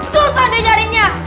susah deh carinya